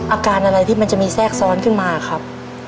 อาการอะไรที่มันจะมีแทรกซ้อนขึ้นมาครับ